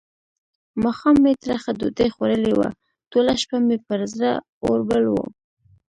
ماښام مې ترخه ډوډۍ خوړلې وه؛ ټوله شپه مې پر زړه اور بل وو.